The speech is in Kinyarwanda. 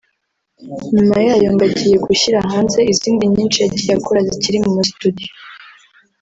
nyuma yayo ngo agiye gushyira hanze izindi nyinshi yagiye akora zikiri mu ma studio